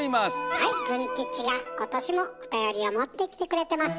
はいズン吉が今年もおたよりを持ってきてくれてます。